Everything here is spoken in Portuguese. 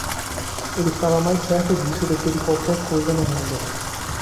Ele estava mais certo disso do que de qualquer coisa no mundo.